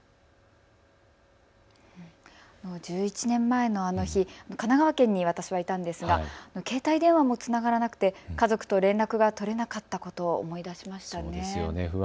１１年前のあの日、神奈川県に私はいたんですが携帯電話もつながらなくて家族と連絡が取れなかったことを思い出しました。